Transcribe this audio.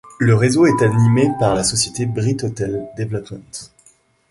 Le réseau est animé par la société Brit Hôtel Dévelopement.